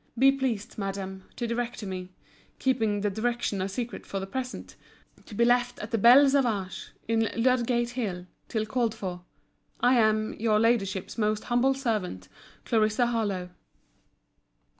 Be pleased, Madam, to direct to me, (keeping the direction a secret for the present,) to be left at the Belle Savage, on Ludgate hill, till called for. I am Your Ladyship's most humble servant, CLARISSA HARLOWE.